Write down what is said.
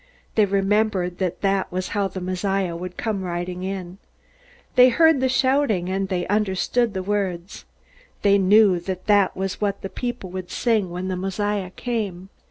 They remembered that that was how the Messiah would come riding in. They heard the shouting, and they understood the words. They knew that that was what people would sing when the Messiah came.